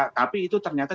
tapi itu ternyata tidak